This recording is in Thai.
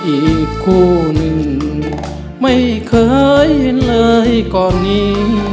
อีกคู่หนึ่งไม่เคยเห็นเลยก่อนนี้